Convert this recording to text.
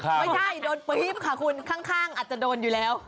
ไม่ใช่โดนปรี๊บค่ะคุณข้างอาจจะโดนอยู่แล้ว